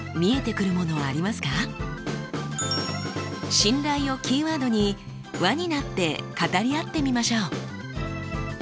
「信頼」をキーワードに輪になって語り合ってみましょう。